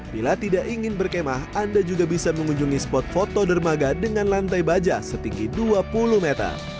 bila tidak ingin berkemah anda juga bisa mengunjungi spot foto dermaga dengan lantai baja setinggi dua puluh meter